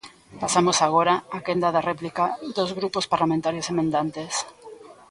Pasamos agora á quenda de réplica dos grupos parlamentarios emendantes.